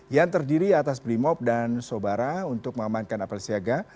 yang terdiri atas brimop dan sobara untuk mengamankan apel siaga